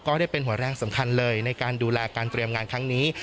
ก็ได้เป็นหัวแรงสำคัญเลยในการดูแลการเตรียมงานครั้งนี้